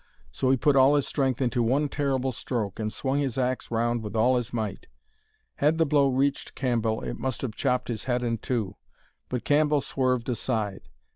So he put all his strength into one terrible stroke, and swung his axe round with all his might. Had the blow reached Cambell it must have chopped his head in two, but Cambell swerved aside.